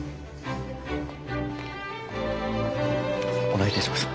お願いいたします。